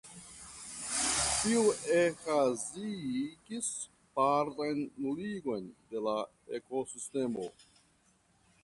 Tio okazigis partan nuligon de la ekosistemo.